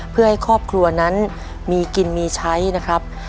เพื่อให้ครอบครัวนั้นมีกินมีใช้นะครับ